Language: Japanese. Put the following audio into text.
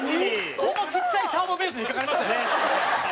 このちっちゃいサードベースに引っかかりましたよ。